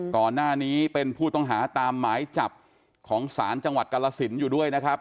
ก่อนหน้านี้เป็นผู้ต้องหาตามหมายจับของศาลจังหวัดกรสินอยู่ด้วยนะครับ